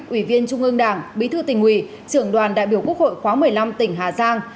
ủy viên trung ương đảng bí thư tỉnh ủy trưởng đoàn đại biểu quốc hội khóa một mươi năm tỉnh hà giang